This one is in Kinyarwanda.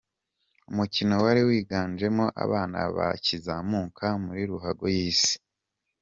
Umukino wari wiganjemo abana bakizamuka muri ruhago y'isi.